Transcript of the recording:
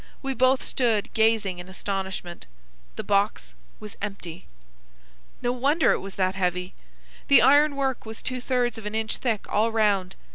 We both stood gazing in astonishment. The box was empty! No wonder that it was heavy. The iron work was two thirds of an inch thick all round.